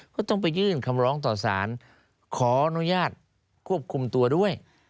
ก็ต้องไปยื่นคำร้องต่อสารขออนุญาตควบคุมตัวด้วย